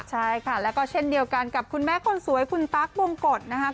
ใช่ค่ะแล้วก็เช่นเดียวกันกับคุณแม่คนสวยคุณตั๊กบงกฎนะครับ